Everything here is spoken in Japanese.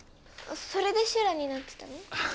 それでシュラになってたの？